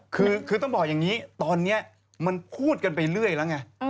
คือต้องบอกอย่างนี้ตอนนี้มันพูดกันไปเรื่อยแล้วไง